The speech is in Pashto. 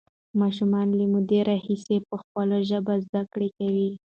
ماشومان له مودې راهیسې په خپله ژبه زده کړه کوي.